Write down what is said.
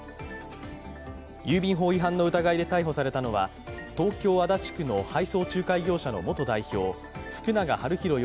郵便法違反の疑いで逮捕されたのは東京・足立区の配送仲介業者の元代表、福永悠宏